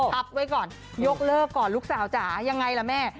ไว้ก่อนยกเลิกก่อนลูกสาวจ๋ายังไงล่ะแม่